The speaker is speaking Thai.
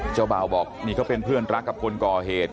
เจ้าบ่าวบอกนี่ก็เป็นเพื่อนรักกับคนก่อเหตุ